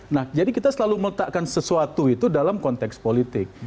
nah jadi kita selalu meletakkan sesuatu itu dalam konteks politik